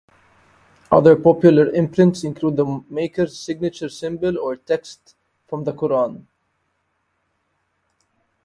Other popular imprints include the makers signature symbol, or text from the Quran.